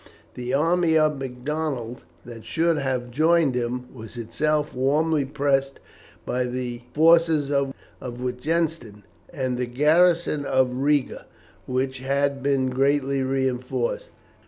The army of Macdonald, that should have joined him, was itself warmly pressed by the forces of Wittgenstein and the garrison of Riga, which had been greatly reinforced.